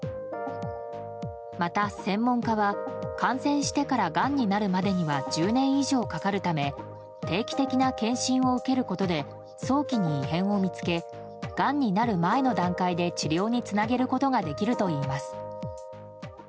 また専門家は感染してからがんになるまでには１０年以上かかるため定期的な検診を受けることで早期に異変を見つけがんになる前の段階で治療につなげることができるといいます。